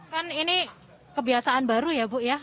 kan ini kebiasaan baru ya bu ya